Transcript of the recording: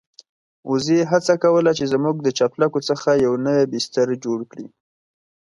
وزې هڅه کوله چې زموږ د چپلکو څخه يو نوی بستر جوړ کړي.